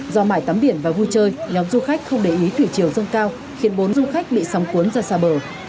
do mãi tắm biển và vui chơi nhóm du khách không để ý thủy chiều dâng cao khiến bốn du khách bị sóng cuốn ra xa bờ